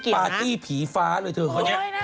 ไม่เกี่ยวนะโอ้ยน่ากลัว